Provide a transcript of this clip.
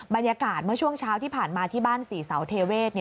บรรยากาศเมื่อช่วงเช้าที่ผ่านมาที่บ้านศรีเสาเทเวศ